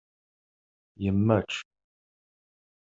Yemmečč.